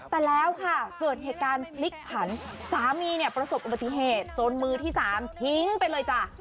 แต่แล้วค่ะเกิดเหตุการณ์พลิกผันสามีเนี่ยประสบอุบัติเหตุจนมือที่สามทิ้งไปเลยจ้ะ